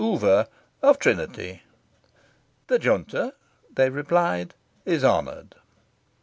Oover, of Trinity." "The Junta," they replied, "is honoured."